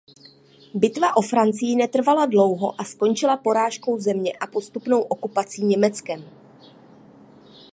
Bitva o Francii netrvala dlouho a skončila porážkou země a postupnou okupací Německem.